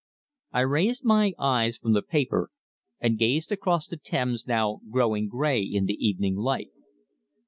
I raised my eyes from the paper and gazed across the Thames now growing grey in the evening light.